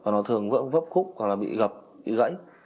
nó thường vỡ khúc hoặc là bị gập bị gãy